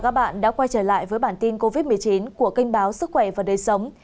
và các bạn đã quay trở lại với bản tin covid một mươi chín của kênh báo sức khỏe và đời sống